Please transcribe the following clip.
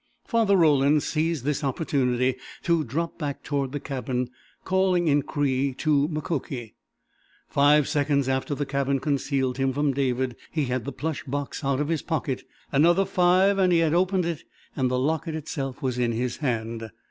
Father Roland seized this opportunity to drop back toward the cabin, calling in Cree to Mukoki. Five seconds after the cabin concealed him from David he had the plush box out of his pocket; another five and he had opened it and the locket itself was in his hand.